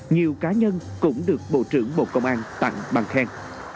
nhiều cá nhân cũng được bộ trưởng bộ công an tặng bằng khen